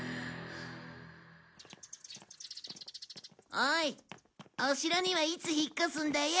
おいお城にはいつ引っ越すんだよ？